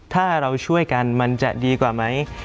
ถ้าเราช่วยกันมันจะดีกว่าไหม